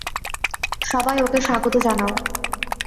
সবাই ওকে স্বাগত জানাও!